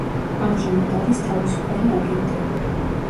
ამჟამად არის თავისუფალი აგენტი.